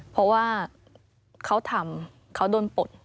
เพราะว่าเขาทำเขาโดนปลด